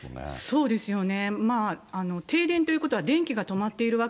そうですよね。